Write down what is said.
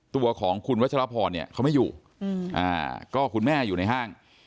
ตัวของคุณวัชรพรเนี่ยเขาไม่อยู่ก็คุณแม่อยู่ในห้าง